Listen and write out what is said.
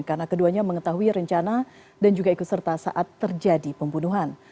karena keduanya mengetahui rencana dan juga ikut serta saat terjadi pembunuhan